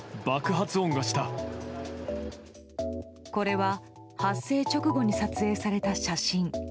これは発生直後に撮影された写真。